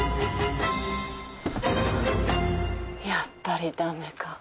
やっぱり駄目か。